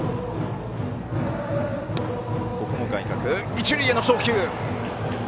一塁への送球。